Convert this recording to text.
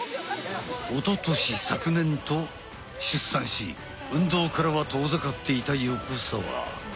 おととし昨年と出産し運動からは遠ざかっていた横澤。